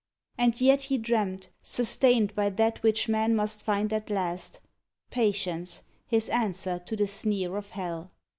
And yet he dreamt, Sustained by that which man must find at last — Patience, his answer to the sneer of Hell.